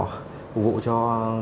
hữu hộ cho